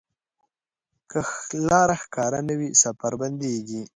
که لاره ښکاره نه وي، سفر بندېږي.